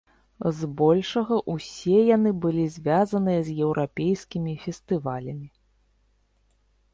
З большага ўсе яны былі звязаныя з еўрапейскімі фестывалямі.